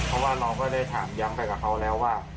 เพราะว่าเราก็ได้ถามย้ำไปกับเขาแล้วว่า